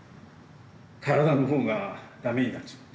体のほうがダメになっちまってな。